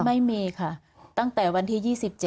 ไม่มีค่ะตั้งแต่วันที่๒๗